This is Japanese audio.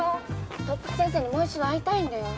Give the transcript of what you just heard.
特服先生にもう一度会いたいんだよ。